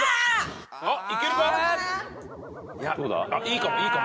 いいかも。